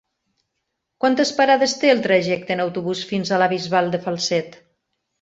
Quantes parades té el trajecte en autobús fins a la Bisbal de Falset?